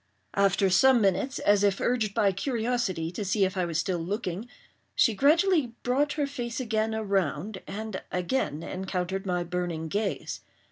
After some minutes, as if urged by curiosity to see if I was still looking, she gradually brought her face again around and again encountered my burning gaze.